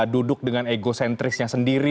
duduk dengan egocentrisnya sendiri